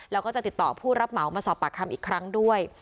แล้วก็จะติดต่อผู้รับเหมามาสอบปากคำอีกครั้งด้วย